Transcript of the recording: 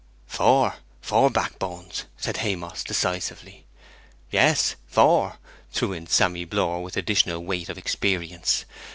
'Four, four backbones,' said Haymoss, decisively. 'Yes, four,' threw in Sammy Blore, with additional weight of experience.